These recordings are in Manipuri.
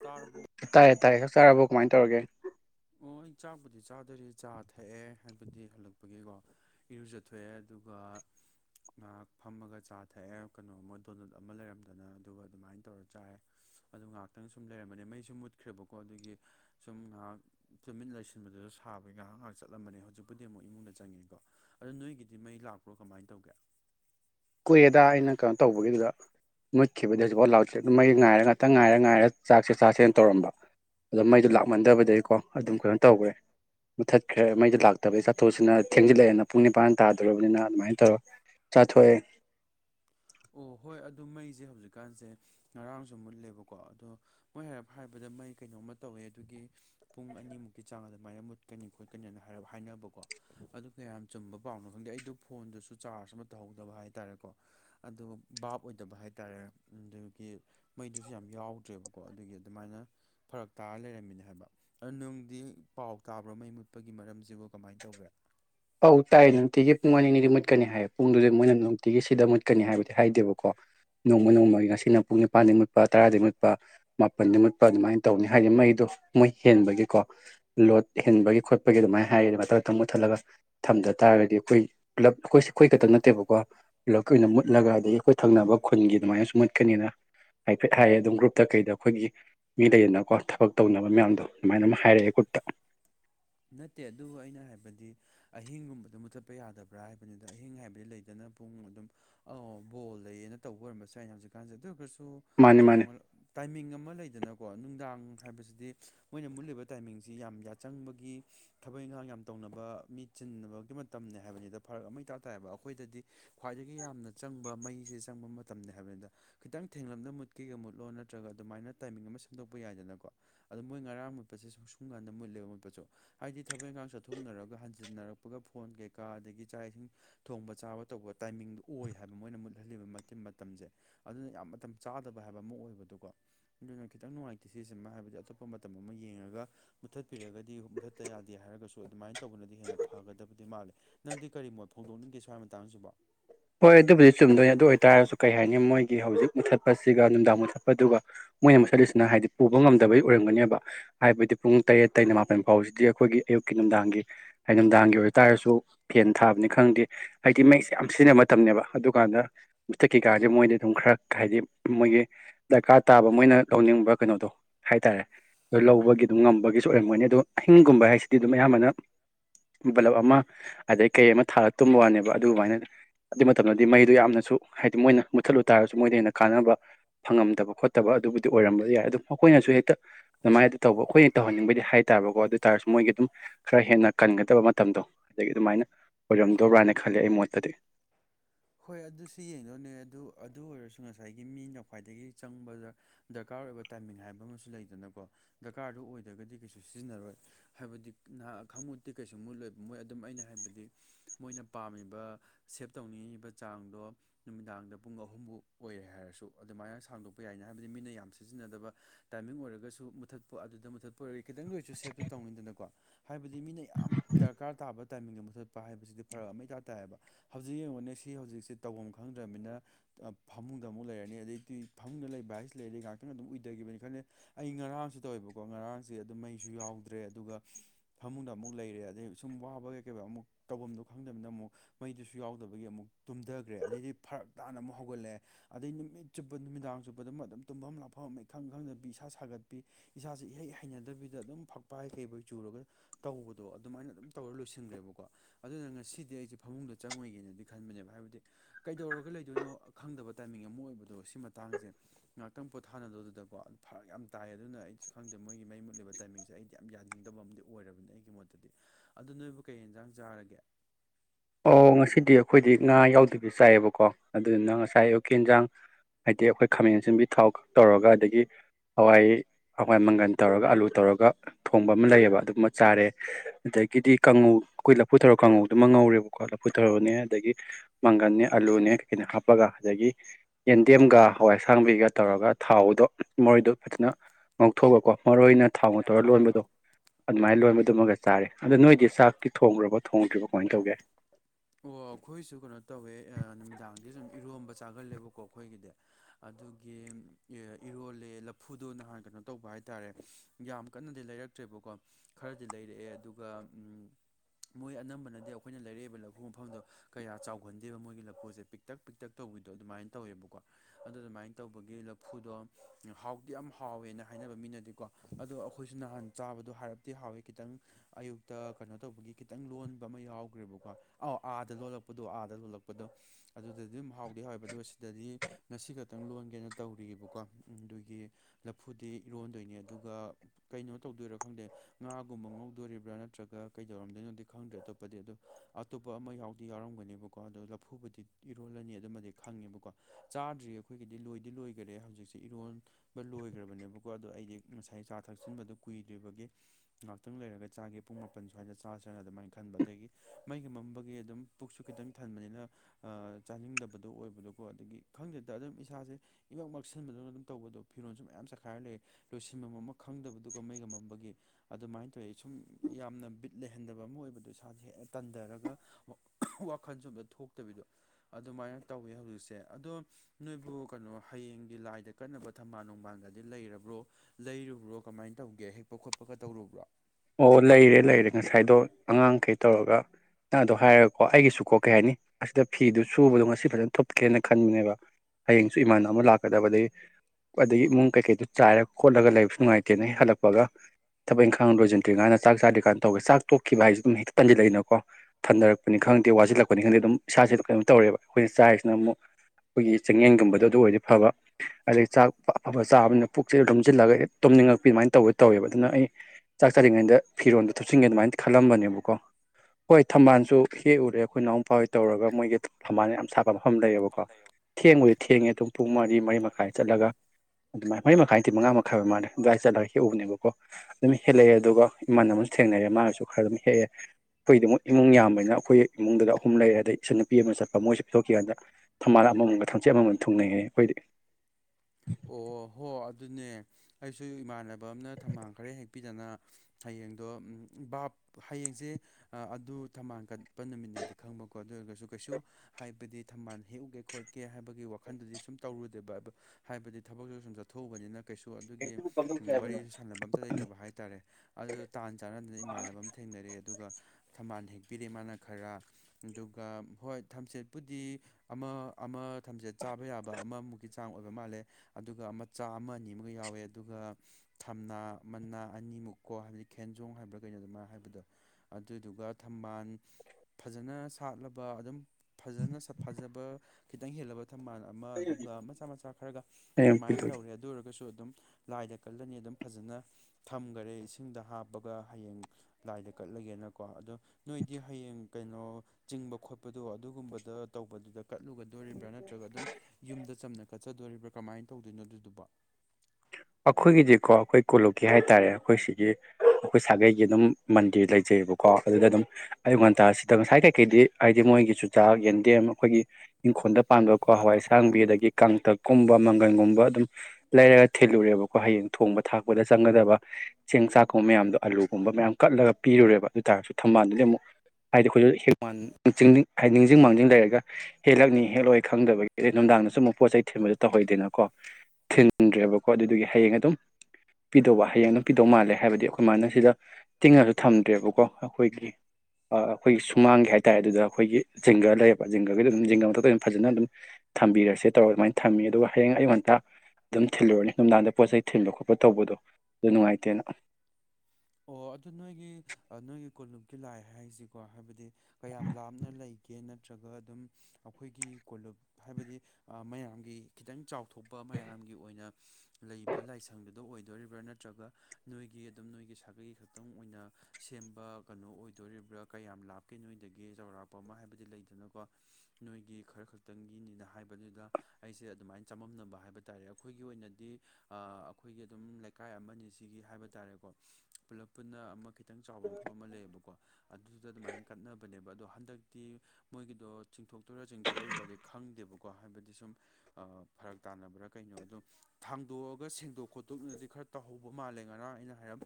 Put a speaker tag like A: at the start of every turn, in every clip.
A: ꯇꯥꯔꯕꯨꯣꯛ
B: ꯇꯥꯏꯌꯦ ꯇꯥꯏꯌꯦ ꯆꯛ ꯆꯔꯕꯕꯨ ꯀꯃꯥꯏꯅ ꯇꯧꯔꯒꯦ
A: ꯑꯣ ꯑꯩ ꯆꯥꯕꯨꯗꯤ ꯆꯥꯗꯔꯤ ꯆꯥ ꯊꯛꯑꯦ ꯍꯥꯏꯕꯗꯤ ꯍꯜꯂꯛꯄꯒꯤꯀꯣ ꯏꯔꯨꯖꯊꯣꯛꯑꯦ ꯑꯗꯨꯒ ꯉꯥꯏꯍꯥꯛ ꯐꯝꯃꯒ ꯆꯥ ꯊꯛꯑꯦ ꯀꯩꯅꯣꯃ ꯗꯣꯅꯦꯠ ꯑꯃ ꯂꯩꯔꯝꯗꯅ ꯑꯗꯨꯒ ꯑꯗꯨꯃꯥꯏꯅ ꯇꯧꯔ ꯆꯥꯏ ꯑꯗꯨ ꯉꯥꯏꯍꯥꯛꯇꯪ ꯁꯨꯝ ꯂꯩꯔꯝꯕꯅꯦ ꯃꯩꯁꯨ ꯃꯨꯠꯈ꯭ꯔꯦꯕꯀꯣ ꯑꯗꯨꯒꯤ ꯁꯨꯝ ꯉꯥꯏꯍꯥꯛ ꯐꯤꯃꯤꯠ ꯂꯩꯁꯤꯟꯕꯗꯨꯗ ꯁꯥꯕꯒꯤ ꯉꯥꯏꯍꯥꯛ ꯉꯥꯏꯍꯥꯛ ꯆꯠꯂꯝꯕꯅꯦ ꯍꯧꯖꯤꯛꯄꯗꯤ ꯑꯃꯨꯛ ꯏꯃꯨꯡꯗ ꯆꯪꯉꯤꯀꯣ ꯑꯗꯣ ꯅꯣꯏꯒꯤꯗꯤ ꯃꯩ ꯂꯥꯛꯄ꯭ꯔꯣ ꯀꯃꯥꯏꯅ ꯇꯧꯒꯦ
B: ꯀꯨꯏꯔꯦꯗ ꯑꯩꯅ ꯀꯩꯅꯣ ꯇꯧꯕꯒꯤꯗꯨꯗ ꯃꯨꯠꯈꯤꯕꯗꯖꯤꯛꯐꯥꯎ ꯂꯥꯎ ꯆꯦ ꯑꯗꯨ ꯃꯩ ꯉꯥꯏꯔ ꯉꯥꯛꯇꯪ ꯉꯥꯏꯔꯒ ꯉꯥꯏꯔꯒ ꯆꯥꯛꯁꯦ ꯆꯥꯛ ꯁꯦ ꯇꯧꯔꯝꯕ ꯑꯗꯣ ꯃꯩꯗꯣ ꯂꯥꯛꯃꯟꯗꯕꯗꯒꯤꯀꯣ ꯑꯗꯨꯝ ꯀꯩꯅꯣ ꯇꯧꯈ꯭ꯔꯦ ꯃꯨꯊꯠꯈ꯭ꯔꯦ ꯃꯩꯗ ꯂꯥꯛꯇꯕꯩ ꯆꯥꯊꯣꯛꯁꯤꯅ ꯊꯦꯡꯖꯤꯜꯂꯛꯑꯦꯅ ꯄꯨꯡ ꯅꯤꯄꯥꯟ ꯇꯥꯗꯣꯔꯕꯅꯤꯅ ꯑꯗꯨꯃꯥꯏꯅ ꯇꯧꯔ ꯆꯥꯊꯣꯛꯑꯦ
A: ꯑꯣ ꯍꯣꯏ ꯑꯗꯨ ꯃꯩꯁꯦ ꯍꯧꯖꯤꯛꯀꯥꯟꯁꯦ ꯉꯔꯥꯡꯁꯨ ꯃꯨꯜꯂꯦꯕꯀꯣ ꯑꯗꯣ ꯃꯣꯏ ꯍꯥꯏꯔꯞ ꯍꯥꯏꯕꯗ ꯃꯩ ꯀꯩꯅꯣꯝꯃ ꯇꯧꯋꯦ ꯑꯗꯨꯒꯤ ꯄꯨꯡ ꯑꯅꯤꯃꯨꯛꯀꯤ ꯆꯥꯡ ꯑꯗꯨꯃꯥꯏꯅ ꯃꯨꯠꯀꯅꯤ ꯈꯣꯠꯀꯅꯤꯅ ꯍꯥꯏ ꯍꯥꯏꯅꯕꯀꯣ ꯑꯗꯨ ꯀꯌꯥꯝ ꯆꯨꯝꯕ ꯄꯥꯎꯅꯣ ꯈꯪꯗꯦ ꯑꯩꯗ ꯐꯣꯟꯗꯨꯁꯨ ꯆꯥꯔꯖ ꯑꯃ ꯇꯧꯍꯧꯗꯕ ꯍꯥꯏ ꯇꯥꯔꯦꯀꯣ ꯑꯗꯨꯒ ꯕꯥꯞ ꯑꯣꯏꯗꯕ ꯍꯥꯏꯇꯥꯔꯦ ꯑꯗꯨꯒꯤ ꯃꯩꯗꯨꯁꯨ ꯌꯥꯝ ꯌꯥꯎꯗ꯭ꯔꯦꯕꯀꯣ ꯑꯗꯨꯒꯤ ꯑꯗꯨꯃꯥꯏꯅ ꯐꯔꯛ ꯇꯥꯔ ꯂꯩꯔꯝꯃꯤꯅꯦ ꯍꯥꯏꯕ ꯅꯪꯗꯤ ꯄꯥꯎ ꯇꯥꯕ꯭ꯔꯣ ꯃꯩ ꯃꯨꯠꯄꯒꯤ ꯃꯔꯝꯁꯤꯕꯨ ꯀꯃꯥꯏꯅ ꯇꯧꯒꯦ
B: ꯑꯧ ꯇꯥꯏꯌꯦ ꯅꯨꯡꯇꯤꯒꯤ ꯄꯨꯡ ꯑꯅꯤꯅꯤꯗꯤ ꯃꯨꯠꯀꯅꯤ ꯍꯥꯏꯌꯦ ꯄꯨꯡꯗꯨꯗꯤ ꯃꯣꯏꯅ ꯅꯨꯡꯇꯤꯒꯤ ꯁꯤꯗ ꯃꯨꯠꯀꯅꯤ ꯍꯥꯏꯕꯗꯤ ꯍꯥꯏꯗꯦꯕꯀꯣ ꯅꯣꯡꯃ ꯅꯣꯡꯃꯒꯤ ꯉꯁꯤꯅ ꯄꯨꯡ ꯅꯤꯄꯥꯟꯗꯒꯤꯩ ꯃꯨꯠꯄ ꯇꯔꯥꯗꯒꯤꯩ ꯃꯨꯠꯄ ꯃꯥꯄꯜꯗꯤ ꯃꯨꯠꯄ ꯑꯗꯨꯃꯥꯏꯅ ꯇꯧꯅꯤ ꯍꯥꯏꯗꯤ ꯃꯩꯗꯣ ꯃꯣꯏ ꯍꯦꯟꯕꯒꯤꯀꯣ ꯂꯣꯠ ꯍꯦꯟꯕꯒꯤ ꯈꯣꯠꯄꯒꯤ ꯑꯗꯨꯥꯏ ꯍꯥꯏꯔꯤ ꯑꯗꯨꯃꯥꯏꯅ ꯇꯞ ꯇꯞ ꯃꯠꯊꯠꯂꯒ ꯊꯝꯗ ꯇꯥꯔꯒꯗꯤ ꯑꯩꯈꯣꯏ ꯄꯨꯂꯞ ꯑꯩꯈꯣꯏꯁꯦ ꯑꯩꯈꯣꯏ ꯈꯛꯇ ꯅꯠꯇꯦꯕꯀꯣ ꯄꯨꯂꯛ ꯑꯣꯏꯅ ꯃꯨꯠꯂꯒ ꯑꯗꯒꯤ ꯑꯩꯈꯣꯏ ꯊꯪꯅꯕ ꯈꯨꯟꯒꯤ ꯑꯗꯨꯃꯥꯏꯅꯁꯨ ꯃꯨꯠꯀꯅꯤꯅ ꯍꯥꯏꯐꯦꯠ ꯍꯥꯏꯌꯦ ꯑꯗꯨꯝ ꯒ꯭ꯔꯨꯞꯇ ꯀꯩꯗ ꯑꯩꯈꯣꯏꯒꯤ ꯃꯤ ꯂꯩꯗꯅꯀꯣ ꯊꯕꯛ ꯇꯧꯅꯕ ꯃꯌꯥꯝꯗꯣ ꯑꯗꯨꯃꯥꯏꯅ ꯑꯃ ꯍꯥꯏꯔꯛꯑꯦ ꯈꯨꯠꯇ
A: ꯅꯠꯇꯦ ꯑꯗꯨꯕꯨ ꯑꯩꯅ ꯍꯥꯏꯕꯗꯤ ꯑꯍꯤꯡꯒꯨꯝꯕꯗ ꯃꯨꯠꯊꯠꯄ ꯌꯥꯗꯕ꯭ꯔꯥ ꯍꯥꯏꯕꯅꯤꯗ ꯑꯍꯤꯡ ꯍꯥꯏꯕꯗꯤ ꯂꯩꯗꯅ ꯄꯨꯡ ꯑꯗꯨꯝ ꯑ ꯕꯣꯜ ꯂꯩꯌꯦꯅ ꯇꯧꯕ ꯑꯣꯏꯔꯝꯕꯁꯨꯦ ꯑꯩꯅ ꯍꯧꯖꯤꯛ ꯀꯥꯟꯁꯦ ꯑꯗꯨ ꯑꯣꯏꯔꯒꯁꯨ
B: ꯃꯥꯅꯤ ꯃꯥꯅꯤ
A: ꯅꯣꯡꯃ ꯇꯥꯏꯃꯤꯡ ꯑꯃ ꯂꯩꯗꯅꯀꯣ ꯅꯨꯡꯗꯥꯡ ꯍꯥꯏꯕꯁꯤꯗꯤ ꯃꯣꯏꯅ ꯃꯨꯂꯤꯕ ꯇꯥꯏꯃꯤꯡꯁꯤ ꯌꯥꯝ ꯌꯥꯆꯪꯕꯒꯤ ꯒꯤ ꯊꯕꯛ ꯏꯪꯈꯥꯡ ꯌꯥꯝ ꯇꯧꯅꯕ ꯃꯤ ꯆꯤꯟꯅꯕꯒꯤ ꯃꯇꯝꯅꯤꯅꯦ ꯍꯥꯏꯕꯅꯤꯗ ꯐꯔꯛ ꯑꯃꯇꯥ ꯇꯥꯏꯕ ꯑꯩꯈꯣꯏꯗꯗꯤ ꯈ꯭ꯋꯥꯏꯗꯒꯤ ꯌꯥꯝꯅ ꯆꯪꯕ ꯃꯩꯁꯦ ꯆꯪꯕ ꯃꯇꯝ ꯍꯥꯏꯕꯅꯤꯗ ꯈꯤꯇꯪ ꯊꯦꯡꯡꯂꯝꯅ ꯃꯨꯠꯀꯦꯒ ꯃꯨꯠꯂꯣ ꯅꯠꯇ꯭ꯔꯒ ꯑꯗꯨꯃꯥꯏꯅ ꯇꯥꯏꯃꯤꯡ ꯑꯃ ꯁꯦꯝꯗꯣꯛꯄ ꯌꯥꯏꯗꯅꯀꯣ ꯑꯗꯣ ꯃꯣꯏ ꯉꯔꯥꯡ ꯃꯨꯠꯄꯁꯦ ꯁꯨꯡꯁꯨꯝ ꯀꯥꯟꯗ ꯃꯨꯠꯂꯦꯕ ꯃꯠꯄꯁꯨ ꯍꯥꯏꯗꯤ ꯊꯕꯛ ꯏꯟꯈꯥꯡ ꯆꯠꯊꯣꯛꯅꯔꯒ ꯍꯟꯖꯤꯟꯅꯔꯛꯄꯒ ꯐꯣꯟ ꯀꯩꯀꯥ ꯑꯗꯒꯤ ꯆꯥꯛ ꯏꯁꯤꯡ ꯊꯣꯡꯕ ꯆꯥꯕ ꯇꯧꯕ ꯇꯥꯏꯃꯤꯡꯗꯨ ꯑꯣꯏ ꯍꯥꯏꯕ ꯃꯣꯏꯅ ꯃꯨꯠꯍꯜꯂꯤꯕ ꯃꯇꯝꯁꯦ ꯑꯗꯨꯅ ꯌꯥꯝ ꯃꯇꯝ ꯆꯥꯗꯕ ꯍꯥꯏꯕ ꯑꯃ ꯑꯣꯏꯕꯗꯨꯀꯣ ꯑꯗꯨꯅ ꯈꯤꯇꯪ ꯅꯨꯡꯉꯥꯏꯇꯦ ꯁꯤꯁꯤꯃ ꯍꯥꯏꯕꯗꯤ ꯑꯇꯣꯞꯄ ꯃꯇꯝ ꯑꯃ ꯌꯦꯡꯉꯒ ꯃꯨꯊꯠꯄꯤꯔꯒꯗꯤ ꯃꯨꯊꯠꯇ ꯌꯥꯗꯦ ꯍꯥꯏꯔꯒꯁꯨ ꯑꯗꯨꯃꯥꯏꯅ ꯇꯧꯕꯅꯗꯤ ꯍꯦꯟꯅ ꯐꯒꯗꯕꯗꯤ ꯃꯥꯜꯂꯤꯦ ꯅꯪꯗꯤ ꯀꯔꯤ ꯃꯣꯠ ꯐꯣꯡꯗꯣꯛꯅꯤꯡꯒꯦ ꯁ꯭ꯋꯥꯏ ꯃꯇꯥꯡꯁꯤꯕꯣ
B: ꯍꯣꯏ ꯑꯗꯨꯕꯨꯗꯤ ꯆꯨꯝꯗꯣꯏꯅꯤ ꯑꯗꯨ ꯑꯣꯏꯇꯥꯔꯁꯨ ꯀꯩ ꯍꯥꯏꯅꯤ ꯃꯣꯏꯒꯤ ꯍꯧꯖꯤꯛ ꯃꯨꯠꯊꯠꯄꯁꯤꯒ ꯅꯨꯡꯗꯥꯡ ꯃꯨꯠꯊꯠꯄꯗꯨꯒ ꯃꯣꯏꯅ ꯑꯃꯨ ꯁꯠꯂꯤꯁꯤꯅ ꯍꯥꯏꯗꯤ ꯄꯨꯕ ꯉꯝꯗꯕꯩ ꯑꯣꯏꯔꯝꯒꯅꯦꯕ ꯍꯥꯏꯕꯗꯤ ꯄꯨꯡ ꯇꯔꯦꯠꯇꯩꯅ ꯃꯥꯄꯟ ꯐꯥꯎꯕꯁꯤꯗꯤ ꯑꯩꯈꯣꯏꯒꯤ ꯑꯌꯨꯛꯀꯤ ꯅꯨꯡꯗꯥꯡꯒꯤ ꯍꯥꯏ ꯅꯨꯡꯗꯥꯡꯒꯤ ꯑꯣꯏꯇꯥꯥꯔꯁꯨ ꯐꯦꯟ ꯊꯥꯕꯅꯤ ꯈꯪꯗꯦ ꯍꯥꯏꯗꯤ ꯃꯩꯁꯦ ꯌꯥꯝ ꯁꯤꯖꯤꯟꯅꯕ ꯃꯇꯝꯅꯦꯕ ꯑꯗꯨꯀꯥꯟꯗ ꯃꯤꯇꯛ ꯀꯩꯀꯥꯁꯦ ꯃꯣꯏꯗꯤ ꯑꯗꯨꯝ ꯈꯔ ꯍꯥꯏꯗꯤ ꯃꯣꯏꯒꯤ ꯗꯔꯀꯥꯔ ꯇꯥꯕ ꯃꯣꯏꯅ ꯂꯧꯅꯤꯡꯕ ꯀꯩꯅꯣꯗꯣ ꯍꯥꯏꯇꯥꯔꯦ ꯂꯧꯕꯒꯤ ꯑꯗꯨꯝ ꯉꯝꯕꯒꯤꯁꯨ ꯑꯣꯏꯔꯝꯒꯅꯤ ꯑꯗꯣ ꯑꯍꯤꯡꯒꯨꯝꯕ ꯍꯥꯏꯁꯤꯗꯤ ꯑꯗꯨꯝ ꯑꯌꯥꯝꯕꯅ ꯕꯂꯞ ꯑꯃ ꯑꯗꯩ ꯀꯩ ꯑꯃ ꯊꯥꯔꯒ ꯇꯨꯝꯕ ꯋꯥꯅꯦꯕ ꯑꯗꯨꯃꯥꯏꯅ ꯑꯗꯨ ꯃꯇꯝꯗꯗꯤ ꯃꯩꯗꯨ ꯌꯥꯝꯅꯁꯨ ꯍꯥꯏꯗꯤ ꯃꯣꯏꯅ ꯃꯨꯠꯊꯠꯂꯨ ꯇꯥꯔꯒꯁꯨ ꯃꯣꯏꯗ ꯍꯦꯟꯅ ꯀꯥꯟꯅꯕ ꯐꯪꯉꯝꯗꯕ ꯈꯣꯠꯇꯕ ꯑꯗꯨꯕꯨꯗꯤ ꯑꯣꯏꯔꯝꯕꯗꯤ ꯌꯥꯏ ꯑꯗꯨ ꯃꯈꯣꯏꯅꯁꯨ ꯍꯦꯛꯇ ꯑꯗꯨꯃꯥꯏꯅꯣ ꯇꯧꯕ ꯑꯩꯈꯣꯏꯅ ꯇꯧꯍꯟꯅꯤꯡꯕꯒꯤꯗꯤ ꯍꯥꯏꯇꯥꯥꯔꯕꯕꯀꯣ ꯑꯗꯨ ꯑꯣꯏ ꯇꯥꯔꯁꯨ ꯃꯣꯏꯒꯤ ꯑꯗꯨꯝ ꯈꯔ ꯍꯦꯟꯅ ꯀꯟꯒꯗꯕ ꯃꯇꯝꯗꯣ ꯑꯗꯒꯤ ꯑꯗꯨꯃꯥꯏꯅ ꯑꯣꯏꯔꯝꯗꯣꯕ꯭ꯔꯥꯅ ꯈꯂꯦ ꯑꯩ ꯃꯣꯠꯇꯗꯤ
A: ꯍꯣꯏ ꯑꯗꯨ ꯁꯤ ꯌꯦꯡꯗꯧꯅꯦ ꯑꯗꯨ ꯑꯗꯨ ꯑꯣꯏꯔꯁꯨ ꯉꯁꯥꯏꯒꯤ ꯃꯤꯅ ꯈ꯭ꯋꯥꯏꯗꯒꯤ ꯆꯪꯕꯗ ꯗꯔꯀꯥꯔ ꯑꯣꯏꯕ ꯇꯥꯏꯃꯤꯡ ꯍꯥꯏꯕ ꯑꯃꯁꯨ ꯂꯩꯗꯅꯀꯣ ꯗꯔꯀꯥꯔꯗꯨ ꯑꯣꯏꯗ꯭ꯔꯒꯗꯤ ꯀꯩꯁꯨ ꯁꯤꯖꯤꯟꯅꯔꯣꯏ ꯍꯥꯏꯕꯗꯤ ꯅꯍ ꯈꯉꯨꯠꯇꯤ ꯀꯩꯁꯨ ꯃꯨꯠꯂꯣꯏꯕ ꯃꯣꯏ ꯑꯗꯨꯝ ꯑꯩꯅ ꯍꯥꯏꯕꯗꯤ ꯃꯣꯏꯅ ꯄꯥꯝꯃꯤꯕ ꯁꯦꯞ ꯇꯧꯅꯤꯡꯉꯤꯕ ꯆꯥꯡꯗꯣ ꯅꯨꯃꯤꯗꯥꯡꯗ ꯄꯨꯡ ꯑꯍꯨꯝꯐꯥꯎ ꯑꯣꯏꯔꯦ ꯍꯥꯏꯔꯁꯨ ꯑꯗꯨꯃꯥꯏꯅ ꯁꯥꯡꯗꯣꯛꯄ ꯌꯥꯏꯅꯤ ꯍꯥꯏꯕꯗꯤ ꯃꯤꯅ ꯌꯥꯝ ꯁꯤꯖꯤꯟꯅꯗꯕ ꯇꯥꯏꯃꯤꯡ ꯑꯣꯏꯔꯒꯁꯨ ꯃꯨꯊꯠꯄ ꯑꯗꯨꯗ ꯃꯨꯊꯠꯄ ꯑꯣꯏꯔꯒ ꯈꯤꯇꯪꯗꯤ ꯑꯣꯏꯔꯁꯨ ꯁꯦꯞꯇꯨ ꯇꯧꯅꯤꯡꯗꯅꯀꯣ ꯍꯥꯏꯕꯗꯤ ꯃꯤꯅ ꯌꯥꯝ ꯗꯔꯀꯥꯔ ꯇꯥꯕ ꯇꯥꯏꯃꯤꯡꯗ ꯃꯨꯊꯠꯄ ꯍꯥꯏꯕꯁꯤꯗꯤ ꯐꯔꯛ ꯑꯃꯇꯥ ꯇꯥꯏꯌꯦꯕ ꯍꯧꯖꯤꯛ ꯌꯦꯡꯕꯅꯦ ꯁꯤ ꯍꯧꯖꯤꯛꯁꯦ ꯇꯧꯐꯝ ꯈꯪꯗ꯭ꯔꯅꯤꯅ ꯐꯃꯨꯡꯗ ꯑꯃꯨꯛ ꯂꯩꯔꯅꯤ ꯑꯗꯩꯗꯤ ꯐꯃꯨꯡꯗ ꯂꯩꯕ ꯍꯥꯏꯁꯤ ꯂꯩꯔꯗꯤ ꯉꯥꯏꯍꯥꯛꯇꯪ ꯑꯗꯨꯝ ꯎꯏꯊꯈꯤꯕꯅꯤ ꯈꯜꯂꯦ ꯑꯩ ꯉꯔꯥꯡꯁꯨ ꯇꯧꯋꯦꯕꯀꯣ ꯉꯔꯥꯡꯁꯦ ꯑꯗꯨꯝ ꯃꯩꯁꯨ ꯌꯥꯎꯗ꯭ꯔꯦ ꯑꯗꯨꯒ ꯐꯃꯨꯡꯗ ꯑꯃꯨꯛ ꯂꯩꯔꯦ ꯑꯗꯩ ꯁꯨꯝ ꯋꯥꯕ ꯀꯩ ꯀꯩꯕꯥ ꯑꯃꯨꯛ ꯇꯧꯐꯝꯗꯣ ꯈꯪꯗꯅꯤꯅ ꯑꯃꯨꯛ ꯃꯩꯗꯨꯁꯨ ꯌꯥꯎꯗꯕꯒꯤ ꯑꯃꯨꯛ ꯇꯨꯝꯊꯈ꯭ꯔꯦ ꯑꯗꯩꯗꯤ ꯐꯔꯛ ꯇꯥꯅ ꯑꯃꯨꯛ ꯍꯧꯒꯠꯂꯦ ꯑꯗꯩ ꯅꯨꯃꯤꯠ ꯆꯨꯞꯄ ꯅꯨꯃꯤꯗꯥꯡ ꯆꯨꯞꯄꯗ ꯑꯗꯨꯝ ꯇꯨꯝꯐꯝ ꯂꯥꯞꯐꯝ ꯏꯈꯪ ꯈꯪꯗꯕꯤ ꯏꯁꯥ ꯁꯥꯒꯠꯄꯤ ꯏꯁꯥꯁ ꯏꯍꯩ ꯍꯩꯅꯗꯕꯤꯗ ꯑꯗꯨꯝ ꯐꯛꯄ ꯍꯥꯏ ꯀꯩ ꯆꯨꯔꯒ ꯇꯧꯕꯗꯣ ꯑꯗꯨꯃꯥꯏꯅ ꯑꯗꯨꯝ ꯇꯧꯔ ꯂꯣꯏꯁꯤꯟꯈ꯭ꯔꯦꯕꯀꯣ ꯑꯗꯨꯅ ꯉꯁꯤꯗꯤ ꯑꯩꯁꯦ ꯐꯃꯨꯡꯗ ꯆꯪꯉꯣꯏꯒꯦꯅꯗꯤ ꯈꯟꯕꯅꯦꯕ ꯍꯥꯏꯕꯗꯤ ꯀꯩꯗꯧꯔꯒ ꯂꯩꯗꯣꯏꯅꯣ ꯈꯪꯗꯕ ꯇꯥꯏꯃꯤꯡ ꯑꯃ ꯑꯣꯏꯕꯗꯣ ꯁꯤ ꯃꯇꯥꯡꯁꯦ ꯉꯥꯏꯍꯥꯛꯇꯪ ꯄꯣꯠꯊꯥꯅꯗꯗꯨꯗꯀꯣ ꯐꯔꯛ ꯌꯥꯝ ꯇꯥꯏꯌꯦ ꯑꯗꯨꯅ ꯑꯩꯁꯨ ꯈꯪꯗꯦ ꯃꯣꯏꯒꯤ ꯃꯩ ꯃꯨꯠꯂꯤꯕ ꯇꯥꯏꯃꯤꯡꯁꯦ ꯑꯩꯗꯤ ꯌꯥꯝ ꯌꯥꯅꯤꯡꯗꯕ ꯑꯃꯗꯤ ꯑꯣꯏꯔꯕꯅꯦ ꯑꯩꯒꯤ ꯃꯣꯠꯇꯗꯤ ꯑꯗꯨꯗ ꯅꯣꯏꯕꯨ ꯀꯩ ꯌꯦꯟꯖꯥꯡ ꯆꯥꯔꯒꯦ
B: ꯑꯣ ꯉꯁꯤꯗꯤ ꯑꯩꯈꯣꯏꯗꯤ ꯉꯥ ꯌꯥꯎꯗꯕꯤ ꯆꯥꯏꯑꯕꯀꯣ ꯑꯗꯨꯗꯨꯅ ꯉꯁꯥꯏ ꯎꯀꯤꯦꯟꯟꯖꯥꯡ ꯍꯥꯏꯗꯤ ꯑꯩꯈꯣꯏ ꯈꯥꯃꯦꯟ ꯑꯁꯤꯟꯕꯤ ꯊꯥꯎ ꯈꯛ ꯇꯧꯔꯒ ꯑꯗꯒꯤ ꯍꯋꯥꯏ ꯍꯋꯥꯏ ꯃꯪꯒꯟ ꯇꯧꯔꯒ ꯑꯥꯂꯨ ꯇꯧꯔꯒ ꯊꯣꯡꯕ ꯑꯃ ꯂꯩꯌꯦꯕ ꯑꯗꯨꯃ ꯆꯥꯔꯦ ꯑꯗꯒꯤꯗꯤ ꯀꯥꯡꯉꯧ ꯑꯩꯈꯣꯏ ꯂꯐꯨ ꯊꯧꯔꯒ ꯀꯥꯡꯉꯧꯗꯨꯃ ꯉꯧꯔꯦꯕ ꯀ ꯂꯐꯨ ꯊꯔꯨꯅꯦ ꯑꯗꯒꯤ ꯃꯪꯒꯟꯅꯦ ꯑꯂꯨꯅꯦ ꯀꯩ ꯀꯅ ꯍꯥꯞꯄꯒ ꯑꯗꯒꯤ ꯌꯦꯟꯗꯦꯝꯒ ꯍꯋꯥꯏꯁꯥꯡꯕꯤꯒ ꯇꯧꯔꯒ ꯊꯥꯎꯗꯣ ꯃꯣꯔꯣꯏꯗꯣ ꯐꯖꯅ ꯉꯧꯊꯣꯛꯑꯒꯀꯣ ꯃꯔꯨ ꯑꯣꯏꯅ ꯊꯥꯎ ꯉ ꯇꯧꯔ ꯂꯣꯟꯕꯗꯣ ꯑꯗꯨꯃꯥꯏꯅ ꯂꯣꯏꯕꯗꯨꯝꯃꯒ ꯆꯥꯔ ꯑꯗꯣ ꯅꯣꯏꯗꯤ ꯆꯥꯛꯇꯤ ꯊꯣꯡꯈ꯭ꯔꯕꯣ ꯊꯣꯡꯗ꯭ꯔꯤꯕꯣ ꯀꯃꯥꯏꯅ ꯇꯧꯒꯦ
A: ꯑꯣ ꯑꯩꯈꯣꯏꯁꯨ ꯀꯩꯅꯣ ꯇꯧꯋꯦ ꯅꯨꯃꯤꯗꯥꯡꯁ ꯁꯨꯝ ꯏꯔꯣꯝꯕ ꯆꯥꯒꯜꯂꯦꯕꯀꯣ ꯑꯩꯈꯣꯏꯒꯤꯗꯤ ꯑꯗꯨꯒꯤ ꯏꯔꯣꯜꯂꯦ ꯂꯐꯨꯗꯣ ꯅꯍꯥꯟ ꯀꯩꯅꯣ ꯇꯧꯕ ꯍꯥꯏꯇꯥꯥꯔꯦ ꯌꯥꯝ ꯀꯟꯅꯗꯤ ꯂꯩꯔꯛ ꯠꯇ꯭ꯔꯦꯕꯀꯣ ꯈꯔꯗꯤ ꯂꯩꯔꯛꯑꯦ ꯑꯗꯨꯒ ꯃꯣꯏ ꯑꯅꯝꯕꯅꯗꯤ ꯑꯩꯈꯣꯏꯅ ꯂꯩꯔꯛꯦꯕ ꯃꯐꯝ ꯃꯐꯝꯗꯣ ꯀꯌꯥ ꯆꯥꯎꯒꯟꯗꯦꯕ ꯃꯣꯏꯒꯤ ꯂꯐꯨꯁꯦ ꯄꯤꯛꯇ ꯄꯤꯛꯇꯛ ꯇꯧꯕꯤꯗꯣ ꯑꯗꯨꯃꯥꯏꯅ ꯇꯧꯋꯦꯕꯀꯣ ꯑꯗꯨ ꯑꯗꯨꯃꯥꯏꯅ ꯇꯧꯕꯒꯤ ꯂꯐꯨꯗꯣ ꯍꯥꯎꯗꯤꯤ ꯌꯥꯝ ꯍꯥꯎꯋꯦꯅ ꯍꯥꯏꯅꯕ ꯃꯤꯅꯗꯤꯀꯣ ꯑꯗꯣ ꯑꯩꯈꯣꯏꯁꯨ ꯅꯍꯥꯟ ꯆꯥꯕꯗꯣ ꯍꯥꯏꯔꯞꯇꯗꯤ ꯍꯥꯎꯋꯤ ꯈꯤꯇꯪ ꯑꯌꯨꯛꯇ ꯀꯩꯅꯣ ꯇꯧꯕꯒꯤ ꯈꯤꯇꯪ ꯂꯣꯟꯕ ꯑꯃ ꯌꯥꯎꯈ꯭ꯔꯦꯕꯀꯣ ꯑꯧ ꯑꯥꯗ ꯂꯣꯜꯂꯛꯄꯗꯣ ꯑꯥꯗ ꯂꯣꯜꯂꯛꯄꯗꯣ ꯑꯗꯨꯗꯗꯤ ꯑꯗꯨꯝ ꯍꯥꯎꯗꯤꯦ ꯍꯥꯎꯋꯦꯕ ꯑꯗꯨꯒ ꯁꯤꯗꯗꯤ ꯉꯁꯤ ꯈꯛꯇꯪ ꯂꯣꯟꯒꯦꯅ ꯇꯧꯔꯤꯑꯕꯀꯣ ꯑꯗꯨꯒꯤ ꯂꯐꯨꯗꯤ ꯏꯔꯣꯟꯗꯣꯏꯅꯦ ꯑꯗꯨꯒ ꯀꯩꯅꯣ ꯇꯧꯗꯣꯏꯔꯥ ꯈꯪꯗꯦ ꯉꯥꯒꯨꯝꯕ ꯉꯧꯗꯣꯔꯤꯕ꯭ꯔꯥ ꯅꯠꯇ꯭ꯔꯒ ꯀꯩꯗꯧꯔꯝꯗꯣꯏꯅꯣꯗꯤ ꯈꯪꯗ꯭ꯔꯦ ꯑꯇꯣꯞꯄꯗꯤ ꯑꯗ ꯑꯇꯣꯞꯄ ꯑꯃ ꯌꯥꯎꯗꯤ ꯌꯥꯎꯔꯝꯒꯅꯦꯕꯀꯣ ꯑꯗꯣ ꯂꯐꯨꯕꯨꯗꯤ ꯏꯔꯣꯜꯂꯅꯤ ꯑꯗꯨꯃꯗꯤ ꯈꯪꯉꯦꯕꯀꯣ ꯆꯥꯗ꯭ꯔꯤ ꯑꯩꯈꯣꯏꯒꯤꯗꯤ ꯂꯣꯏꯗꯤ ꯂꯣꯏꯈꯔꯦ ꯍꯧꯖꯤꯛꯁꯦ ꯏꯔꯣꯟꯜ ꯂꯣꯏꯈ꯭ꯔꯕꯅꯦꯕꯀꯣ ꯑꯗꯣ ꯑꯩꯗꯤ ꯉꯁꯥꯏ ꯆꯥ ꯊꯛꯆꯤꯟꯕꯗꯨꯣ ꯀꯨꯏꯗ꯭ꯔꯤꯕꯒꯤ ꯉꯥꯏꯍꯥꯛꯇꯪ ꯂꯩꯔꯒ ꯆꯥꯒꯦ ꯄꯨꯡ ꯃꯥꯄꯟ ꯁ꯭ꯋꯥꯏꯗ ꯆꯥꯥꯁꯦꯅ ꯑꯗꯨꯃꯥꯏꯅ ꯈꯟꯕ ꯑꯗꯒꯤ ꯃꯩꯒꯤ ꯃꯝꯕꯒꯤ ꯑꯗꯨꯝ ꯄꯨꯛꯁꯨ ꯈꯤꯇꯪ ꯊꯟꯕꯅꯤꯅ ꯆꯥꯅꯤꯡꯗꯕꯗꯣ ꯑꯣꯏꯕꯗꯣꯀꯣ ꯑꯗꯒꯤ ꯈꯪꯗꯦꯗ ꯑꯗꯨꯝ ꯏꯁꯥꯁꯦ ꯏꯃꯛꯃꯛꯛꯁꯤꯟꯕꯗꯨꯅ ꯑꯗꯨꯝ ꯇꯧꯕꯗꯣ ꯐꯤꯔꯣꯟꯁꯨ ꯃꯌꯥꯝ ꯆꯥꯛꯈꯥꯏꯔ ꯂꯩ ꯂꯣꯏꯁꯤꯟꯐꯝꯃ ꯈꯪꯗꯕꯗꯨꯒ ꯃꯩ ꯉꯝꯃꯝꯕꯒꯤ ꯑꯗꯨꯃꯥꯏꯅ ꯇꯧꯋꯤ ꯁꯨꯝ ꯌꯥꯝꯅ ꯕꯤꯠ ꯂꯩꯍꯟꯗꯕ ꯑꯃ ꯑꯣꯏꯕꯗꯣ ꯏꯁꯥꯁꯦ ꯍꯦꯛ ꯇꯟꯊꯔꯒ ꯋꯥꯈꯜ ꯁꯣꯝꯗ ꯊꯣꯛꯇꯕꯤꯗꯣ ꯑꯗꯨꯃꯥꯏꯅ ꯇꯧꯋꯤ ꯍꯧꯖꯤꯛꯁꯦ ꯑꯗꯣ ꯅꯣꯏꯕꯨ ꯀꯩꯅꯣ ꯍꯌꯦꯡꯒꯤ ꯂꯥꯏꯗ ꯀꯟꯅꯕ ꯊꯝꯕꯥꯜ ꯅꯣꯡꯕꯥꯜꯗꯗꯤ ꯂꯩꯔꯕ꯭ꯔꯣ ꯂꯩꯔꯨꯕ꯭ꯔꯣ ꯀꯃꯥꯏꯅ ꯇꯧꯒꯦ ꯍꯦꯛꯄ ꯈꯣꯠꯄꯒ ꯇꯧꯔꯨꯕ꯭ꯔꯣ
B: ꯑꯣ ꯂꯩꯔꯦ ꯂꯩꯔꯦ ꯉꯁꯥꯏꯗꯣ ꯑꯉꯥꯡꯈꯩ ꯇꯧꯔꯒ ꯅꯗꯣ ꯍꯥꯏꯔꯒꯀꯣ ꯑꯩꯒꯤꯁꯨꯀꯣ ꯀꯩ ꯍꯥꯏꯅꯤ ꯑꯁꯤꯗ ꯐꯤꯗꯨ ꯁꯨꯕꯗꯣ ꯉꯁꯤ ꯐꯖꯅ ꯊꯨꯞꯀꯦꯅ ꯈꯟꯕꯅꯦꯕ ꯍꯌꯦꯡꯁꯨ ꯏꯃꯥꯟꯅꯕ ꯑꯃ ꯂꯥꯛꯀꯗꯕꯅꯤ ꯑꯗꯒꯤ ꯏꯃꯨꯡ ꯀꯩꯀꯩꯗꯣ ꯆꯥꯏꯔꯒ ꯈꯣꯠꯂꯒ ꯂꯩꯕꯁꯨ ꯅꯨꯡꯉꯥꯏꯇꯦꯅ ꯑꯩ ꯍꯜꯂꯛꯄꯒ ꯊꯕꯛ ꯏꯪꯈꯥꯡ ꯂꯣꯏꯁꯤꯟ ꯇꯠꯇ꯭ꯔꯤꯀꯗ ꯆꯥꯛ ꯆꯥꯗ꯭ꯔꯤꯀꯗ ꯇꯧꯒ ꯆꯣꯛꯈꯤꯕ ꯍꯥꯏꯁꯤꯒꯨꯝ ꯍꯦꯛꯇ ꯇꯟꯁꯤꯂꯛꯏꯀꯣ ꯊꯟꯊꯔꯛꯄꯅꯤ ꯈꯪꯗꯦ ꯋꯥꯁꯤꯜꯂꯛꯄꯅꯤ ꯈꯪꯗꯦ ꯑꯗꯨꯝ ꯏꯁꯥꯁꯤꯗ ꯀꯩꯅꯝ ꯇꯧꯔꯦꯕ ꯑꯩꯈꯣꯏꯅ ꯆꯥꯏꯁꯤꯅ ꯑꯃꯨꯛ ꯑꯩꯈꯣꯏꯒꯤ ꯆꯦꯡꯌꯦꯡꯒꯨꯝꯕꯗꯣ ꯑꯗꯨ ꯑꯣꯏꯔꯗꯤ ꯐꯕ ꯑꯗꯩ ꯆꯥꯛ ꯑꯐꯕ ꯆꯥꯕꯅ ꯄꯨꯛꯁꯦ ꯂꯣꯝꯁꯤꯜꯂꯒ ꯍꯦꯛ ꯇꯨꯝꯅꯤꯡꯉꯛꯄꯤ ꯑꯗꯨꯃꯥꯏꯅ ꯇꯧ ꯇꯧꯋꯦꯕ ꯑꯗꯨꯅ ꯑꯩ ꯆꯠꯂꯤꯉꯩꯗ ꯐꯤꯔꯣꯟꯗꯣ ꯊꯨꯞꯆꯟꯒꯦ ꯑꯗꯨꯃꯥꯏꯅ ꯈꯜꯂꯝꯕꯅꯦꯕꯀꯣ ꯍꯣꯏ ꯊꯝꯕꯥꯜꯁꯨ ꯍꯦꯛꯎꯔꯦ ꯑꯩꯈꯣꯏ ꯅꯍꯎꯨꯛꯥꯎꯩ ꯇꯧꯔꯒ ꯃꯣꯏꯒꯤ ꯐꯝꯕꯥꯜꯅ ꯌꯥꯝ ꯁꯥꯕ ꯃꯐꯝ ꯂꯩꯌꯦꯕꯀꯣ ꯊꯦꯡꯕꯗꯤ ꯊꯦꯡꯉꯦ ꯑꯗꯨꯝ ꯄꯨꯡ ꯃꯔꯤ ꯃꯔꯤ ꯃꯈꯥꯏ ꯆꯠꯂꯒ ꯑꯗꯨꯃꯥꯏ ꯃꯔꯤ ꯃꯈꯥꯏꯅꯤꯗꯤꯤ ꯃꯉꯥ ꯃꯈꯥꯏ ꯑꯣꯏ ꯃꯥꯜꯦ ꯑꯗꯨꯋꯥꯏꯗ ꯆꯠꯂꯒ ꯍꯦꯛꯎꯅꯦꯕꯀꯣ ꯑꯗꯨꯝ ꯍꯦꯜꯂꯛꯑꯦ ꯑꯗꯨ ꯑꯗꯨꯒ ꯏꯃꯥꯟ ꯑꯃꯁꯨ ꯊꯦꯡꯅꯩꯔꯦ ꯃꯥꯅꯁꯨ ꯈꯔ ꯑꯗꯨꯝ ꯍꯦꯛꯑꯦ ꯑꯩꯈꯣꯏꯗꯤ ꯑꯃꯨꯛ ꯏꯃꯨꯡ ꯌꯥꯝꯕꯅꯤꯅ ꯑꯩꯈꯣꯏ ꯏꯃꯨꯡꯗ ꯑꯍꯨꯝ ꯂꯩꯔ ꯑꯗꯩ ꯏꯆꯟꯟꯅ ꯅꯨꯄꯤ ꯑꯃ ꯆꯠꯄ ꯃꯣꯏꯁꯨꯦ ꯄꯤꯊꯣꯛꯈꯤꯀꯥꯟꯗ ꯊꯝꯕꯥꯥꯟ ꯑꯃꯃꯝꯒ ꯊꯆꯦꯠ ꯑꯃꯃꯝ ꯊꯨꯡꯅꯩꯍꯦ ꯑꯩꯣꯏꯗꯤ
A: ꯑꯣ ꯍꯣ ꯑꯗꯨꯅꯦ ꯑꯩꯁꯨ ꯏꯃꯥꯟꯅꯕ ꯑ ꯑꯃꯅ ꯊꯝꯕꯥꯥꯡ ꯈꯔ ꯍꯦꯛꯄꯤꯗꯅ ꯍꯌꯦꯡꯗꯣ ꯕꯥꯞ ꯍꯌꯦꯡꯁꯦ ꯑꯗꯨ ꯊꯝꯕꯥꯜ ꯀꯠꯄ ꯅꯨꯃꯤꯠꯅꯦꯗꯤ ꯈꯪꯕꯀꯣ ꯑꯗꯨ ꯑꯣꯏꯔꯒꯁꯨ ꯀꯩꯁꯨ ꯍꯥꯏꯕꯗꯤ ꯊꯝꯕꯥꯜ ꯍꯦꯛꯎꯒꯦ ꯈꯣꯠꯀꯦ ꯍꯥꯏꯕꯒꯤ ꯋꯥꯈꯟꯗꯨꯗꯤ ꯁꯨꯝ ꯇꯧꯔꯨꯗꯦꯕꯕ ꯍꯥꯏꯕꯗꯤ ꯊꯕꯛꯁꯨ ꯁꯨꯝ ꯆꯠꯊꯣꯛꯎꯕꯅꯤꯅ ꯀꯩꯁꯨ ꯑꯗꯨꯒꯤ ꯋꯥꯔꯤꯁꯨ ꯁꯥꯟꯅꯕ ꯑꯝꯇ ꯂꯩꯇꯕ ꯍꯥꯏꯇꯥꯔꯦ ꯑꯗꯨ ꯇꯥꯟ ꯆꯥꯟꯅꯗꯅ ꯏꯃꯥꯟꯅꯕ ꯑ ꯊꯦꯡꯅꯔꯦ ꯑꯗꯨꯒ ꯊꯝꯕꯥꯜ ꯍꯦꯛꯄꯤꯔꯦ ꯃꯥꯅ ꯈꯔ ꯑꯗꯨꯒ ꯍꯣꯏ ꯊꯝꯆꯦꯠꯄꯨꯗꯤ ꯑꯃ ꯑꯃ ꯊꯝꯖꯦꯗ ꯆꯥꯕ ꯌꯥꯕ ꯑꯃꯃꯨꯛꯀꯤ ꯆꯥꯡ ꯑꯣꯏꯕ ꯃꯥꯜꯂꯦ ꯑꯗꯨꯒ ꯃꯆꯥ ꯑꯃ ꯑꯅꯤ ꯑꯃꯒ ꯌꯥꯎꯋꯦ ꯑꯗꯨꯒ ꯊꯝꯅꯥ ꯃꯅꯥ ꯑꯅꯤꯃꯨꯛꯀꯣ ꯍꯥꯏꯕꯗꯤ ꯈꯦꯟꯖꯣꯡ ꯍꯥꯏꯕ꯭ꯔꯥ ꯀꯩꯅꯣ ꯑꯗꯨꯃ ꯍꯥꯏꯕꯗꯣ ꯑꯗꯨꯗꯨꯒ ꯊꯝꯕꯥꯜ ꯐꯖꯅ ꯁꯥꯠꯂꯕ ꯑꯗꯨꯝ ꯐꯖꯅ ꯐꯖꯕ ꯈꯤꯇꯪ ꯍꯦꯜꯂꯕ ꯃꯊꯝ ꯃꯜ ꯑꯃ ꯑꯗꯨꯒ ꯃꯆꯥ ꯃꯆꯥ ꯈꯔꯒ
B: ꯑꯩꯅ
A: ꯑꯗꯨꯃꯥꯏꯅ
B: ꯄꯤꯊꯣꯛ
A: ꯇꯧꯔꯦ ꯑꯗꯨ ꯑꯣꯏꯔꯒꯁꯨ ꯑꯗꯨꯝ ꯂꯥꯏꯗ ꯀꯜꯂꯅꯤ ꯑꯗꯨꯝ ꯐꯖꯅ ꯊꯝꯈꯔꯦ ꯏꯁꯤꯡꯗ ꯍꯥꯞꯄꯒ ꯍꯌꯦꯡ ꯂꯥꯏꯗ ꯀꯠꯂꯒꯦꯅꯀꯣ ꯑꯗꯣ ꯅꯣꯏꯗꯤ ꯍꯌꯦꯡ ꯀꯩꯅꯣ ꯆꯤꯡꯕ ꯈꯣꯠꯄꯗꯣ ꯑꯗꯨꯒꯨꯝꯕꯗ ꯇꯧꯕꯗꯨꯗ ꯀꯠꯂꯨꯒꯗꯣꯔꯤꯕ꯭ꯔꯥ ꯅꯠꯇ꯭ꯔꯒ ꯑꯗꯨꯝ ꯌꯨꯝꯗ ꯆꯝꯅ ꯀꯠꯆꯗꯣꯔꯤꯕ꯭ꯔꯥ ꯀꯃꯥꯏꯅ ꯇꯧꯗꯣꯏꯅꯣ ꯑꯗꯨꯗꯨꯕ
B: ꯑꯩꯈꯣꯏꯒꯤꯗꯤꯀꯣ ꯑꯩꯈꯣꯏ ꯀꯣꯂꯣꯀꯤ ꯍꯥꯏꯇꯥꯔꯦ ꯑꯩꯈꯣꯏ ꯁꯤꯒꯤ ꯑꯩꯈꯣꯏ ꯁꯥꯒꯩꯒꯤ ꯑꯗꯨꯝ ꯃꯟꯗꯤꯔ ꯂꯩꯖꯩꯑꯕꯀꯣ ꯑꯗꯨꯗ ꯑꯗꯨꯝ ꯑꯌꯨꯛ ꯉꯟꯇꯥꯁꯤꯗ ꯉꯁꯥꯏ ꯀꯩꯀꯩꯗꯤ ꯍꯥꯏꯗꯤ ꯃꯣꯏꯒꯤ ꯆꯨꯖꯥꯛ ꯌꯦꯟꯗꯦꯝ ꯑꯩꯈꯣꯏꯒꯤ ꯏꯪꯈꯣꯜꯗ ꯄꯥꯟꯕꯀꯣ ꯍꯋꯥꯏꯁꯥꯡꯕꯤ ꯑꯗꯒꯤ
A: ꯍꯋꯥꯏꯗꯒꯤ
B: ꯀꯥꯡꯇꯛꯀꯨꯝꯕ ꯃꯪꯒꯟꯒꯨꯝꯕ ꯑꯗꯨꯝ ꯂꯩꯔꯒ ꯊꯤꯜꯂꯨꯔꯦꯕꯀꯣ ꯍꯌꯦꯡ ꯊꯣꯡꯕ ꯊꯥꯛꯄꯗ ꯆꯪꯒꯗꯕ ꯆꯦꯡ ꯆꯥꯛꯀꯨꯝꯕ ꯃꯌꯥꯝꯗꯣ ꯑꯥꯂꯨꯒꯨꯝꯕ ꯃꯌꯥꯝ ꯀꯠꯂꯒ ꯄꯤꯔꯨꯔꯦꯕ ꯑꯗꯨ ꯇꯥꯔꯁꯨ ꯊꯝꯕꯥꯜꯗꯨꯗꯤ ꯑꯃꯨꯛ ꯍꯥꯏꯗꯤ ꯑꯩꯈꯣꯏꯁꯨ ꯍꯦꯛ ꯍꯥꯏꯗꯤ ꯅꯤꯡꯁꯤꯡ ꯃꯥꯡꯖꯁꯤꯡ ꯂꯩꯔꯒ ꯍꯦꯜꯂꯛꯅꯤ ꯍꯦꯜꯂꯛꯑꯣꯣꯏ ꯈꯪꯗꯕꯒꯤ ꯑ ꯅꯨꯡꯗꯥꯡꯗꯁꯨꯨꯝ ꯑꯃꯨꯛ ꯄꯣꯠ ꯆꯩ ꯊꯤꯟꯕꯁꯨ ꯇꯧꯍꯩꯗꯅꯀꯣ ꯊꯤꯟꯗ꯭ꯔꯦꯕ ꯍꯣꯏ ꯑꯗꯨꯒꯤ ꯍꯌꯦꯡ ꯑꯗꯨꯝ ꯄꯤꯗꯧꯕ ꯍꯌꯦꯡꯅ ꯄꯤꯗꯧ ꯃꯥꯜꯂꯦ ꯍꯥꯏꯕꯗꯤ ꯑꯩꯈꯣꯏ ꯃꯥꯅ ꯁꯤꯗ ꯇꯤꯡꯉꯁꯨ ꯊꯝꯗ꯭ꯔꯦꯕꯀꯣ ꯑꯩꯈꯣꯏꯒꯤ ꯑꯩꯈꯣꯏꯒꯤ ꯁꯨꯃꯥꯡꯒꯤ ꯍꯥꯏꯇꯥꯔꯦ ꯑꯗꯨꯗ ꯑꯩꯈꯣꯏꯒꯤ ꯖꯤꯡꯒꯔ ꯂꯩꯌꯦꯕ ꯖꯤꯡꯒꯒꯤꯗ ꯑꯗꯨꯝ ꯖꯤꯡꯒ ꯃꯊꯛꯇ ꯑꯗꯨꯝ ꯐꯖꯅ ꯑꯗꯨꯝ ꯊꯝꯕꯤꯔꯁꯦ ꯇꯧꯔ ꯑꯗꯨꯃꯥꯏꯅ ꯊꯝꯃꯤ ꯑꯗꯨꯒ ꯍꯌꯦꯡ ꯑꯌꯨ ꯉꯟꯇꯥ ꯑꯗꯨꯝ ꯊꯤꯜꯂꯨꯔꯅꯤ ꯅꯨꯡꯗꯥꯡꯗ ꯄꯣꯠ ꯆꯩ ꯊꯤꯟꯕ ꯈꯣꯠꯄ ꯇꯧꯕꯗꯣ ꯑꯗꯨ ꯅꯨꯡꯉꯥꯏꯇꯦꯅ
A: ꯑꯣ ꯑꯗꯨ ꯅꯣꯏꯒꯤ ꯅꯣꯏꯒꯤ ꯀꯣꯂꯨꯞꯀꯤ ꯂꯥꯏ ꯍꯥꯏꯔꯤꯁꯤꯀꯣ ꯍꯥꯏꯕꯗꯤ ꯀꯌꯥꯝ ꯂꯥꯞꯅ ꯂꯩꯒꯦ ꯅꯠꯇ꯭ꯔꯒ ꯑꯗꯨꯝ ꯑꯩꯈꯣꯏꯒꯤ ꯀꯣꯂꯨꯞ ꯍꯥꯏꯕꯗꯤ ꯃꯌꯥꯝꯒꯤ ꯈꯤꯇꯪ ꯆꯥꯎ ꯑꯇꯣꯞꯄ ꯃꯌꯥꯝꯒꯤ ꯑꯣꯏꯅ ꯂꯩꯕ ꯂꯥꯏꯁꯪꯗꯨꯗ ꯑꯣꯏꯗꯣꯔꯤꯕ꯭ꯔꯥ ꯅꯠꯇ꯭ꯔꯒ ꯅꯣꯏꯒꯤ ꯑꯗꯨꯝ ꯅꯣꯏꯒꯤ ꯁꯛ ꯑꯩꯒꯤ ꯈꯛꯇꯪ ꯑꯣꯏꯅ ꯁꯦꯝꯕ ꯀꯩꯅꯣ ꯑꯣꯏꯗꯣꯔꯤꯕ꯭ꯔꯥ ꯀꯌꯥꯝ ꯂꯥꯞꯀꯦ ꯅꯣꯏꯗꯒꯤ ꯆꯥꯎꯔꯥꯛ ꯑꯇꯣꯄ ꯑꯃ ꯍꯥꯏꯕꯗꯤ ꯂꯩꯗꯅꯀꯣ ꯅꯣꯏꯒꯤ ꯈꯔ ꯈꯛꯇꯪꯒꯤꯅꯤꯅ ꯍꯥꯏꯕꯗꯨꯗ ꯑꯩꯁꯦ ꯑꯗꯨꯃꯥꯏꯅ ꯆꯃꯝꯅꯕ ꯍꯥꯏꯕ ꯇꯥꯔꯦ ꯑꯩꯈꯣꯏꯒꯤ ꯑꯣꯏꯅꯗꯤ ꯑꯩꯈꯣꯏꯒꯤ ꯑꯗꯨꯝ ꯑꯀꯥꯏ ꯑꯃ ꯑꯅꯤ ꯁꯤꯒꯤ ꯍꯥꯏꯕ ꯇꯥꯔꯦꯀꯣ ꯄꯨꯂꯞ ꯄꯨꯟꯅ ꯑꯃ ꯈꯤꯇꯪ ꯆꯥꯎꯕ ꯃꯐꯝ ꯑꯃ ꯂꯩꯌꯦꯕꯀꯣ ꯑꯗꯨꯗꯨꯗ ꯑꯗꯨꯃꯥꯏꯅ ꯀꯠꯅꯕꯅꯦꯕ ꯑꯗꯣ ꯍꯟꯗꯛꯇꯤ ꯃꯣꯏꯒꯤꯗꯣ ꯆꯤꯡꯊꯣꯛꯇꯣꯏꯔꯥ ꯆꯤꯡꯊꯣꯛꯣꯏꯗ꯭ꯔꯗꯤ ꯈꯪꯗꯦꯕꯀꯣ ꯍꯥꯏꯕꯗꯤ ꯁꯨꯝ ꯐꯔꯛ ꯇꯥꯟꯅꯕ꯭ꯔꯥ ꯀꯩꯅꯣ ꯑꯗꯣ ꯊꯥꯡꯗꯣꯛꯑꯒ ꯁꯦꯡꯗꯣꯛ ꯈꯣꯠꯇꯣꯛꯅꯗꯤ ꯈꯔ ꯇꯧꯍꯧꯕ ꯃꯥꯜꯂꯦ ꯉꯔꯥꯡ ꯑꯩꯅ ꯍꯥꯏꯔꯝ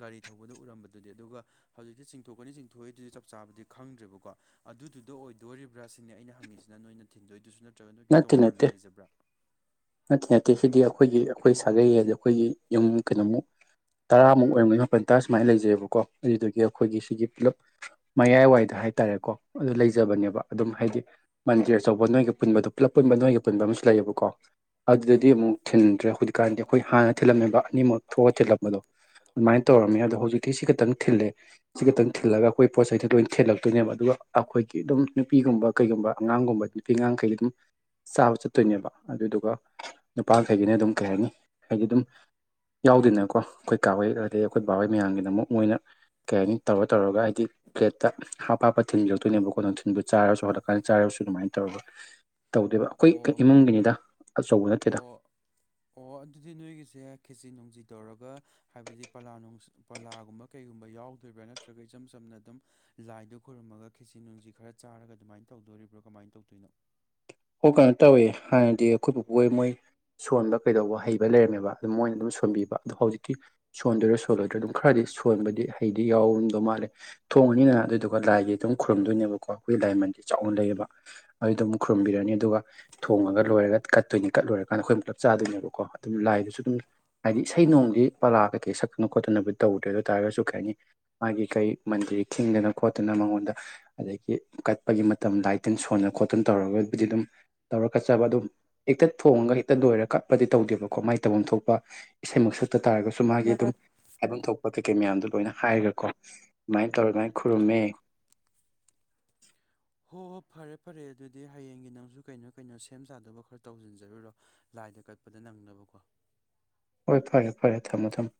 A: ꯒꯥꯔꯤ ꯊꯧꯕꯗ ꯎꯔꯝꯕꯗꯨꯗꯤ ꯑꯗꯨꯒ ꯍꯧꯖꯤꯛꯇꯤ ꯆꯤꯡꯊꯣꯛꯀꯅꯤ ꯆꯤꯡꯊꯣꯛꯏꯗꯨꯗꯤ ꯆꯞ ꯆꯥꯕꯗꯤ ꯈꯪꯗ꯭ꯔꯦꯕꯀꯣ ꯑꯗꯨꯗꯨꯗ ꯑꯣꯏꯗꯣꯔꯤꯕ꯭ꯔꯥ ꯁꯤꯅꯦ ꯑꯩꯅ ꯍꯪꯉꯤꯁꯤꯅ ꯅꯣꯏꯅ ꯊꯤꯟꯗꯣꯏꯗꯨꯁꯨ ꯅꯠꯇ꯭ꯔꯒ ꯅꯣꯏꯒꯤ
B: ꯅꯠꯇꯦ ꯅꯠꯇꯦ
A: ꯇꯣꯉꯥꯟꯅ ꯂꯩꯖꯕ꯭ꯔꯥ
B: ꯅꯠꯇꯦ ꯅꯠꯇꯦ ꯁꯤꯗꯤ ꯑꯩꯈꯣꯏꯒꯤ ꯑꯩꯈꯣꯏ ꯁꯥꯒꯩ ꯍꯥꯏꯗꯤ ꯑꯩꯈꯣꯏꯒꯤ ꯌꯨꯝ ꯀꯩꯅꯣꯃꯨꯛ ꯇꯔꯥꯃꯨꯛ ꯑꯣꯏꯔꯝꯒꯅꯤ ꯃꯥꯄꯜ ꯇꯔꯥ ꯁꯨꯃꯥꯏꯅ ꯂꯩꯖꯩꯑꯕꯀꯣ ꯑꯗꯨꯗꯒꯤ ꯑꯩꯈꯣꯏꯒꯤ ꯁꯤꯒꯤ ꯄꯨꯂꯞ ꯃꯌꯥꯏꯋꯥꯏꯗ ꯍꯥꯏꯇꯥꯔꯦꯀꯣ ꯑꯗꯨ ꯂꯩꯖꯕꯅꯦꯕ ꯑꯗꯨꯝ ꯍꯥꯏꯗꯤ ꯃꯟꯗꯤꯔ ꯑꯆꯧꯕ ꯅꯣꯏꯒ ꯄꯨꯟꯕꯗꯣ ꯄꯨꯂꯞ ꯄꯨꯟꯕ ꯅꯣꯏꯒ ꯄꯨꯟꯕ ꯑꯃꯁꯨ ꯂꯩꯌꯦꯕꯀꯣ ꯑꯗꯨꯗꯗꯤ ꯑꯃꯨꯛ ꯊꯤꯟꯗ꯭ꯔꯦ ꯍꯧꯖꯤꯛꯀꯥꯟꯗꯤ ꯑꯩꯈꯣꯏ ꯍꯥꯟꯅ ꯊꯤꯜꯂꯝꯃꯤꯕ ꯑꯅꯤꯃꯛ ꯊꯣꯛꯑ
A: ꯑꯅꯤꯃꯛ
B: ꯊꯤꯜꯂꯝꯕꯗꯣ
A: ꯊꯝꯕꯗꯣ
B: ꯑꯗꯨꯃꯥꯏꯅ ꯇꯧꯔꯝꯃꯦ ꯑꯗꯣ ꯍꯧꯖꯤꯛꯇꯤ ꯁꯤ ꯈꯈꯤꯛꯇꯪ ꯊꯤꯜꯂꯦ ꯁꯤ ꯈꯛꯇꯪ ꯊꯤꯜꯂꯒ ꯑꯩꯈꯣꯏ ꯄꯣꯠ ꯆꯩꯩꯁꯤ ꯂꯣꯏꯅ ꯊꯤꯜꯂꯛꯇꯣꯏꯅꯦꯕ ꯑꯗꯨꯒ ꯑꯩꯈꯣꯏꯒꯤ ꯑꯗꯨꯝ ꯅꯨꯄꯤꯒꯨꯝꯕ ꯀꯩꯒꯨꯝꯕ ꯑꯉꯥꯡꯒꯨꯝꯕ ꯅꯨꯄꯤ ꯑꯉꯥꯡꯈꯩ ꯑꯗꯨꯝ ꯆꯥꯕ ꯆꯠꯇꯣꯏꯅꯦꯕ ꯑꯗꯨꯗꯨꯒ ꯅꯨꯄꯥꯈꯩꯒꯤꯅ ꯑꯗꯨꯝ ꯀꯩ ꯍꯥꯏꯅꯤ ꯍꯥꯏꯗꯤ ꯑꯗꯨꯝ ꯌꯥꯎꯗꯦꯅꯀꯣ ꯑꯩꯈꯣꯏ ꯀꯥꯋꯣꯢ ꯑꯗꯩ ꯑꯩꯈꯣꯏ ꯕꯥꯋꯣꯏ ꯃꯌꯥꯝꯒꯤꯗꯃꯛ ꯃꯣꯏꯅ ꯀꯩ ꯍꯥꯏꯅꯤ ꯇꯧꯔ ꯇꯧꯔꯒ ꯍꯥꯏꯗꯤ ꯄ꯭ꯂꯦꯠꯇ ꯍꯥꯞ ꯍꯥꯞꯄ ꯊꯤꯟꯕꯤꯂꯛꯇꯣꯏꯅꯦꯕꯀꯣ ꯅꯨꯡꯊꯤꯟꯕ ꯆꯥꯔꯁꯨ ꯍꯣꯠꯂꯛꯀꯥꯟꯗ ꯆꯥꯔꯁꯨ ꯑꯗꯨꯃꯥꯏꯅ ꯇꯧꯔꯒ ꯇꯧꯗꯦꯕ ꯑꯩꯈꯣꯏ
A: ꯑꯣ
B: ꯏꯃꯨꯡꯒꯤꯅꯤꯗ ꯑꯆꯧꯕ ꯅꯠꯇꯦꯗ
A: ꯑꯣ ꯑꯣ ꯑꯗꯨꯗꯤ ꯅꯣꯏꯒꯤꯁꯦ ꯈꯦꯆꯤ ꯅꯨꯡꯖꯤ ꯇꯧꯔꯒ ꯍꯥꯏꯕꯗꯤ ꯄꯂꯥ ꯅꯨꯡ ꯄꯂꯥꯒꯨꯝꯕ ꯀꯩꯒꯨꯝꯕ ꯌꯥꯎꯗꯣ꯭ꯔꯥ ꯅꯠꯇ꯭ꯔꯒ ꯏꯆꯝ ꯆꯝꯅ ꯑꯗꯨꯝ ꯂꯥꯏꯗꯨ ꯈꯣꯏꯔꯨꯝꯃꯒ ꯈꯦꯆꯤ ꯅꯨꯡꯁꯤ ꯈꯔ ꯆꯥꯔꯒ ꯑꯗꯨꯃꯥꯏꯅ ꯇꯧꯗꯣꯔꯤꯕ꯭ꯔꯣ ꯀꯃꯥꯏꯅ ꯇꯧꯗꯣꯏꯅꯣ
B: ꯍꯣꯏ ꯀꯩꯅꯣ ꯇꯧꯋꯤ ꯍꯥꯏꯅꯗꯤ ꯑꯩꯈꯣꯏꯕꯨꯕꯨ ꯍꯣꯏ ꯃꯣꯏ ꯁꯣꯟꯕ ꯀꯩꯗꯧꯕ ꯍꯩꯕ ꯂꯩꯔꯝꯃꯦꯕ ꯑꯗꯨ ꯃꯣꯏꯅ ꯑꯗꯨꯝ ꯁꯣꯟꯕꯤꯕ ꯑꯗꯣ ꯍꯧꯖꯤꯛꯇꯤ ꯁꯣꯟꯗꯣꯏꯔꯥ ꯁꯣꯜꯂꯣꯏꯗ꯭ꯔꯥ ꯑꯗꯨꯝ
A: ꯁꯣꯟꯗꯣꯏꯔ
B: ꯈꯔꯗꯤ
A: ꯑꯗꯨꯝ ꯈꯔ
B: ꯁꯣꯟꯕꯗꯤ ꯍꯩꯗꯤ ꯌꯥꯎꯔꯝꯗꯧ ꯃꯥꯜꯂꯦ ꯊꯣꯡꯉꯅꯤꯅ ꯑꯗꯨꯗꯨꯒ ꯂꯥꯏꯒꯤ ꯑꯗꯨꯝ ꯈꯨꯔꯨꯝꯗꯣꯏꯅꯦꯕꯀꯣ ꯑꯩꯈꯣꯏꯒꯤ ꯂꯥꯏꯃꯟꯗꯤꯔ ꯆꯥꯎꯅ ꯂꯩꯌꯦꯑꯦꯕ ꯑꯗꯨ ꯑꯗꯨꯝ ꯊꯨꯝꯕꯤꯔꯅꯤ ꯑꯗꯨꯒ ꯊꯣꯡꯉꯒ ꯂꯣꯏꯔꯒ ꯀꯠꯇꯣꯏꯅꯤ ꯀꯠ ꯂꯣꯏꯔꯀꯥꯟꯗ ꯑꯩꯈꯣꯏ ꯑꯃꯨꯛꯂꯞ ꯆꯥꯗꯣꯏꯅꯦꯕꯀꯣ ꯑꯗꯨꯝ ꯂꯥꯏꯗꯁꯨ ꯑꯗꯨꯝ ꯍꯥꯏꯗꯤ ꯏꯁꯩ ꯅꯣꯡꯗꯤ ꯄꯥ ꯀꯩꯀꯩ ꯁꯛꯇꯅ ꯈꯣꯠꯇꯅꯕꯨꯗꯤ ꯇꯧꯗ꯭ꯔꯦ ꯑꯗꯨ ꯑꯣꯏ ꯇꯥꯔꯒꯁꯨ ꯀꯩ ꯍꯥꯏꯅꯤ ꯃꯥꯒꯤ ꯀꯩ ꯃꯟꯗꯤꯔ ꯈꯤꯡꯗꯅ ꯈꯣꯠꯇꯅ ꯃꯉꯣꯟꯗ ꯑꯗꯒꯤ ꯀꯠꯄꯒꯤ ꯃꯇꯝ ꯂꯥꯏ ꯇꯤꯟ ꯁꯣꯟꯅ ꯈꯣꯠꯇꯅ ꯇꯧꯔꯒꯕꯨꯗꯤ ꯑꯗꯨꯝ ꯇꯧꯔ ꯀꯠꯆꯕ ꯑꯗꯨꯝ ꯍꯦꯛꯇ ꯊꯣꯡꯉꯒ ꯍꯦꯛꯇ ꯂꯣꯏꯔꯒ ꯀꯠꯄꯗꯤ ꯇꯧꯗꯦꯕꯀꯣ ꯃꯥꯏ ꯇꯧꯐꯝ ꯊꯣꯛꯄ ꯏꯁꯩꯃꯛ ꯁꯛꯇ ꯇꯥꯔꯒꯁꯨ ꯃꯥꯒꯤ ꯑꯗꯨꯝ ꯍꯥꯏꯐꯝ ꯊꯣꯛꯄ ꯀꯩꯀꯩ ꯃꯌꯥꯝꯗꯣ ꯂꯣꯏꯅ ꯍꯥꯏꯔꯒꯀꯣ ꯑꯗꯨꯃꯥꯏꯅ ꯇꯧꯔ ꯑꯗꯨꯃꯥꯏꯅ ꯈꯨꯔꯨꯝꯃꯦ
A: ꯇꯧꯔꯒ ꯍꯣꯏ ꯍꯣꯏ ꯐꯔꯦ ꯐꯔꯦ ꯑꯗꯨꯗꯤ ꯍꯌꯦꯡꯒꯤ ꯅꯪꯁꯨ ꯀꯩꯅꯣ ꯀꯩꯅꯣ ꯁꯦꯝ ꯁꯗꯧꯕ ꯈꯔ ꯇꯧꯁꯤꯟꯖꯔꯨꯔꯣ ꯂꯥꯏꯗ ꯀꯠꯄꯗ ꯅꯪꯅꯕꯀꯣ
B: ꯍꯣꯏ ꯐꯔꯦ ꯐꯔꯦ ꯊꯝꯃꯣ ꯊꯝꯃꯣ